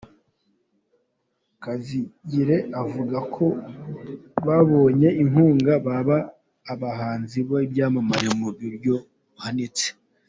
Kazigira avuga ko babonye inkunga baba abahanzi b’ibyamamare mu buryo buhanitse.